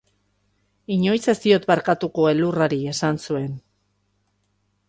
Inoiz ez diot barkatuko elurrari, esan zuen.